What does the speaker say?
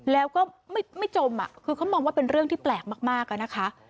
แล้วก็ไม่จมคือเขามองว่าเป็นเรื่องที่แปลกมากอะนะคะ